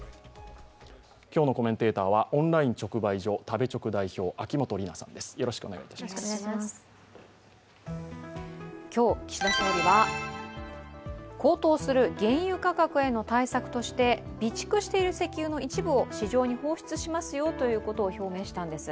今日のコメンテーターは、オンライン直売所、食べチョク代表、秋元里奈さんです今日、岸田総理は高騰する原油価格への対策として備蓄している石油の一部を市場に放出しますよと表明したんです。